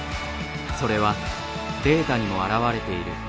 それはデータにも表れている。